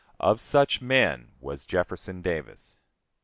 Of such men was Jefferson Davis.